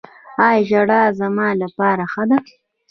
ایا ژړا زما لپاره ښه ده؟